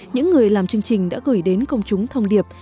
những người làm chương trình đã gửi đến công chúng thông điệp